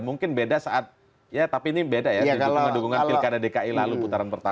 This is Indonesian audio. mungkin beda saat ya tapi ini beda ya dengan dukungan pilkada dki lalu putaran pertama